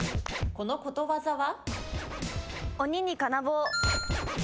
このことわざは？